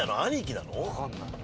わかんない。